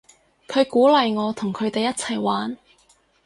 佢鼓勵我同佢哋一齊玩